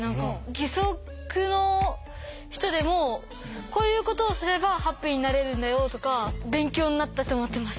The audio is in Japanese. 義足の人でもこういうことをすればハッピーになれるんだよとか勉強になったと思ってます。